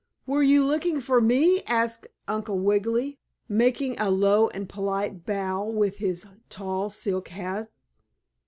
"Were you looking for me?" asked Uncle Wiggily, making a low and polite bow with his tall silk hat.